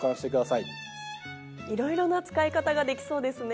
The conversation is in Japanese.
いろいろな使い方ができそうですね。